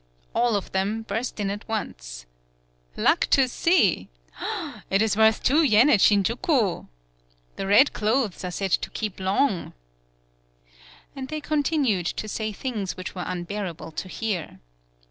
All of them burst in at once. "Luck to see!" "It is worth two yen at Sinjuku!" 88 THE BILL COLLECTING "The red clothes are said to keep long!" And they continued to say things which were unbearable to hear.